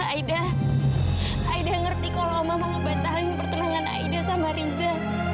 aida aida mengerti kalau oma ingin mengubah pertunangan aida dengan riza